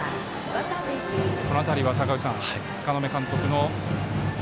この辺りは、柄目監督の。